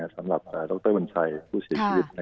สำหรับโรคเตอร์วันชัยผู้ชีวิต